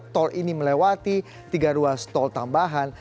tol ini melewati tiga ruas tol tambahan